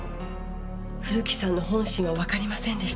古木さんの本心はわかりませんでした。